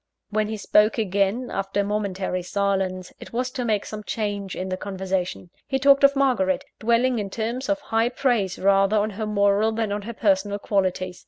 When he spoke again, after a momentary silence, it was to make some change in the conversation. He talked of Margaret dwelling in terms of high praise rather on her moral than on her personal qualities.